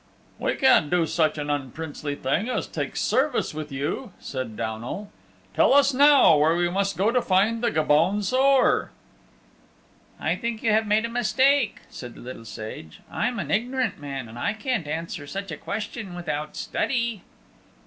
"We can't do such an unprincely thing as take service with you," said Downal. "Tell us now where we must go to find the Gobaun Saor." "I think you have made a mistake," said the Little Sage. "I'm an ignorant man, and I can't answer such a question without study."